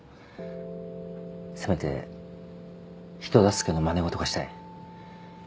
せめて人助けのまね事がしたい。